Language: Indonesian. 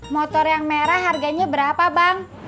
motor yang merah harganya berapa bang